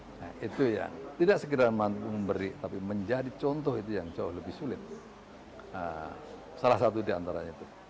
nah itu ya tidak segera mampu memberi tapi menjadi contoh itu yang jauh lebih sulit salah satu diantaranya itu